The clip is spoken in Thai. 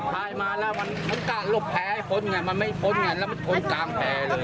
ตายมาแล้วมันกล้าลบแพ้ให้พ้นไงมันไม่พ้นไงแล้วมันพ้นกลางแพร่เลย